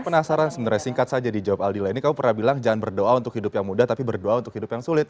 penasaran sebenarnya singkat saja dijawab aldila ini kamu pernah bilang jangan berdoa untuk hidup yang mudah tapi berdoa untuk hidup yang sulit